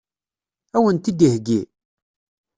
Ad wen-t-id-iheggi?